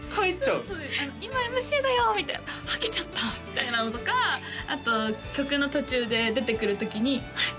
そうです「今ＭＣだよ！」みたいなはけちゃったみたいなのとかあと曲の途中で出てくる時にあれ？